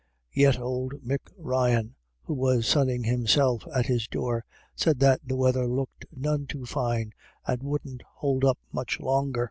Yet old Mick Ryan, who was sunning himself at his door, said that the weather looked none too fine, and wouldn't hold up much longer.